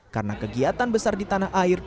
karena kegiatan besar di tanah air